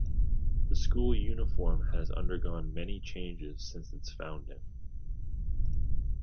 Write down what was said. The school uniform has undergone many changes since its founding.